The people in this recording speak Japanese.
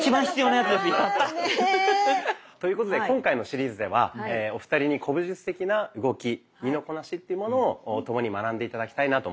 やった！ということで今回のシリーズではお二人に古武術的な動き身のこなしというものを共に学んで頂きたいなと思っています。